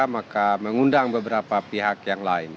maka mengundang beberapa pihak yang lain